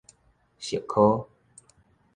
汐科